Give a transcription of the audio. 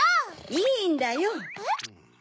いいんだよ。えっ？